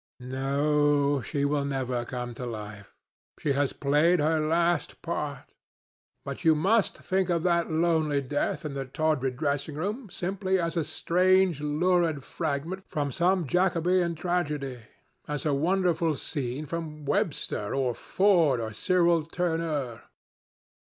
"No, she will never come to life. She has played her last part. But you must think of that lonely death in the tawdry dressing room simply as a strange lurid fragment from some Jacobean tragedy, as a wonderful scene from Webster, or Ford, or Cyril Tourneur.